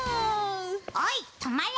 ・おいとまれ！